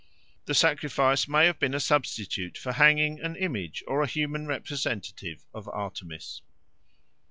The sacrifice may have been a substitute for hanging an image or a human representative of Artemis.